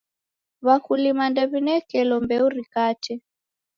W'akulima ndew'inekelo mbeu rikate.